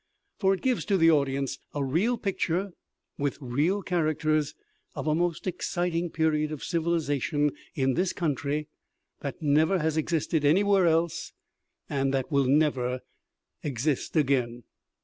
For it gives to the audience a real picture, with real characters, of a most exciting period of civilization in this country that never has existed anywhere else, and that never will exist again.